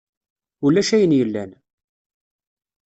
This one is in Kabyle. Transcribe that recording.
Ulac ayen yellan.